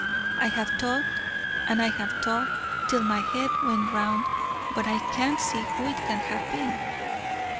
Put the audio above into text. "I have thought, and I have thought, till my head went round, but I can't see who it can have been."